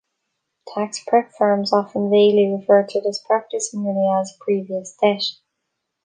Tax prep firms often vaguely refer to this practice merely as "previous debt".